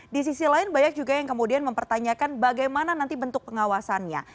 di sisi lain banyak juga yang kemudian mempertanyakan bagaimana nanti bentuk pengawasannya